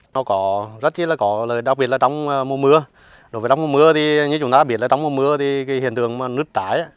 nó có rất là có lời đặc biệt là trong mùa mưa đối với trong mùa mưa thì như chúng ta biết là trong mùa mưa thì cái hiện tượng nứt trái